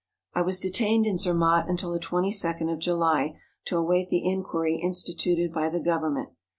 I was detained in Zermatt until the 22nd of July, to await the inquiry instituted by the govern¬ ment.